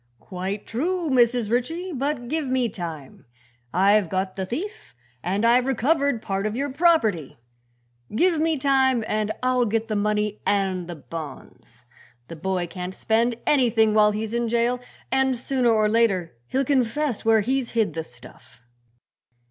"Quite true, Mrs. Ritchie; but give me time. I've got the thief, and I've recovered part of your property! Give me time and I'll get the money and the bonds. The boy can't spend anything while he's in jail and sooner or later he'll confess where he's hid the stuff."